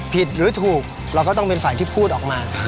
หรือถูกเราก็ต้องเป็นฝ่ายที่พูดออกมา